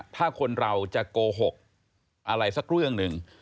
ถ้าคนเราจะโกหกอะไรสักเรื่องหนึ่ง